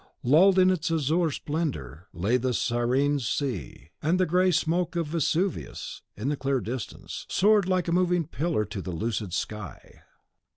Lulled in its azure splendour lay the Siren's sea; and the grey smoke of Vesuvius, in the clear distance, soared like a moving pillar into the lucid sky.